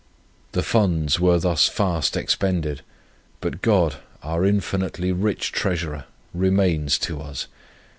The funds were thus fast expended; but God, our infinitely rich Treasurer, remains to us.